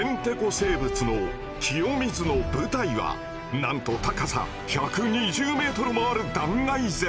生物の清水の舞台はなんと高さ１２０ｍもある断崖絶壁。